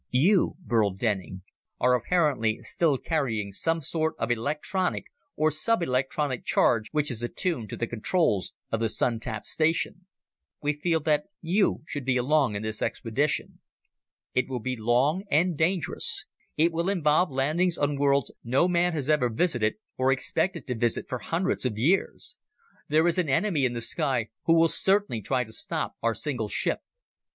"You, Burl Denning, are apparently still carrying some sort of electronic or subelectronic charge which is attuned to the controls of the Sun tap station. We feel that you should be along on this expedition. It will be long and dangerous, it will involve landings on worlds no man has ever visited or expected to visit for hundreds of years. There is an enemy in the sky who will certainly try to stop our single ship.